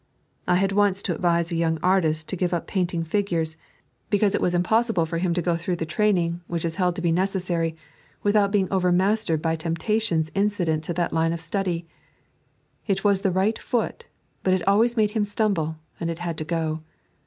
I had once to advise a young artist to give up painting figures, becauBO it was impossible 3.n.iized by Google 66 The Bulb of the Eye for him to go through the training, which is held to be neceesaiy, without being OTermastered by temptations incident to that line of study. It was the right foot, but it always made him stumble, and it tad to go.